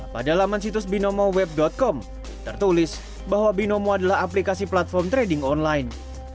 pada laman situs binomo web com tertulis bahwa binomo adalah aplikasi platform trading online